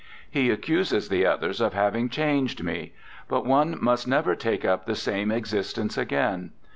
He accuses the others of having changed me but one must never take up the same existence again.